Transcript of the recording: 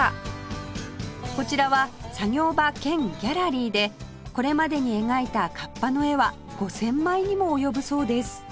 こちらは作業場兼ギャラリーでこれまでに描いた河童の絵は５０００枚にも及ぶそうです